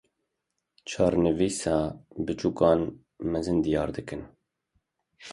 Çarenivîsa biçûkan, mezin diyar dikin.